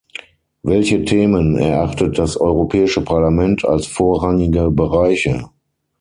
Welche Themen erachtet das Europäische Parlament als vorrangige Bereiche?